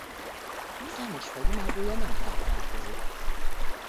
Számos faj imágója nem táplálkozik.